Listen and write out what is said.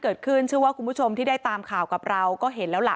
เชื่อว่าคุณผู้ชมที่ได้ตามข่าวกับเราก็เห็นแล้วล่ะ